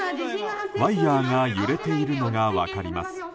ワイヤが揺れているのが分かります。